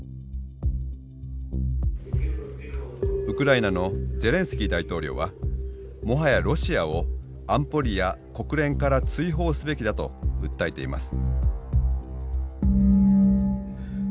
ウクライナのゼレンスキー大統領はもはやロシアを安保理や国連から追放すべきだと訴えています。